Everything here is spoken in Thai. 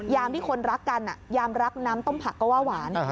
ที่คนรักกันยามรักน้ำต้มผักก็ว่าหวาน